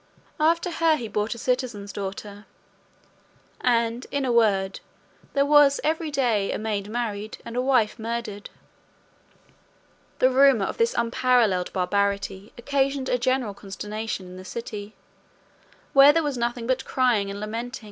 After her he brought a citizen's daughter; and, in a word, there was every day a maid married, and a wife murdered. The rumour of this unparalleled barbarity occasioned a general consternation in the city, where there was nothing but crying and lamentation.